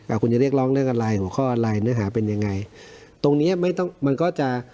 คุณจะเรียกร้องเรื่องอะไรหัวข้ออะไรเนื้อหาเป็นยังไงตรงเนี้ยไม่ต้องมันก็จะ